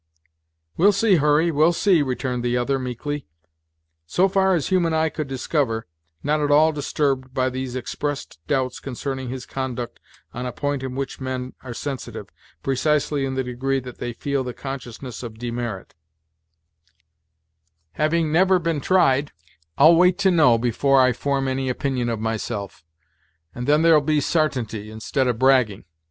"We'll see, Hurry, we'll see," returned the other, meekly; so far as human eye could discover, not at all disturbed by these expressed doubts concerning his conduct on a point on which men are sensitive, precisely in the degree that they feel the consciousness of demerit; "having never been tried, I'll wait to know, before I form any opinion of myself; and then there'll be sartainty, instead of bragging.